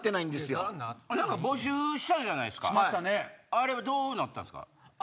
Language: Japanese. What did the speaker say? あれはどうなったんすか？